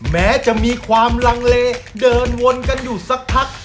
แม้จะมีความลังเลเดินวนกันอยู่สักพัก